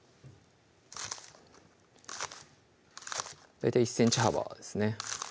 大体１ｃｍ幅ですね